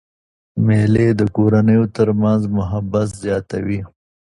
مېلې د کورنیو تر منځ محبت زیاتوي.